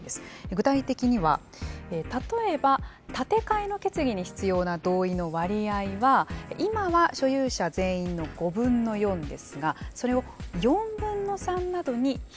具体的には例えば建て替えの決議に必要な同意の割合は今は所有者全員の５分の４ですがそれを４分の３などに引き下げる。